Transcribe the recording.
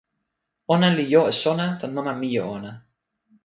ona li jo e sona tan mama mije ona